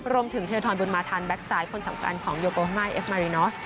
รวมถึงเทียวธรรมบุญมาธรรมแบ็คไซด์คนสำคัญของโยโกฮ่าเอฟมารินอส